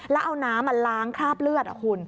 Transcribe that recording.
แล้วเอาน้ำล้างคราบเลือดคุณ